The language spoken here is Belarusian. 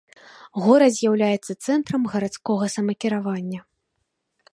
Горад з'яўляецца цэнтрам гарадскога самакіравання.